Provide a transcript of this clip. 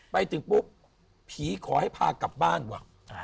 ไปถึงปุ๊บผีขอให้พากลับบ้านว่ะ